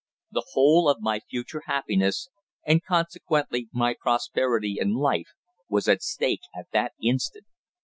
The whole of my future happiness, and consequently my prosperity in life, was at stake at that instant.